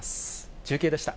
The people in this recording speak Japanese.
中継でした。